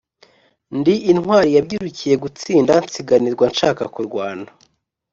ndi intwali yabyirukiye gutsinda, nsinganirwa nshaka kurwana